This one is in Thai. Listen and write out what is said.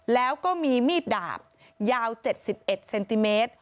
แล้วก็มีมีดดาบยาว๗๑เซนติเมตร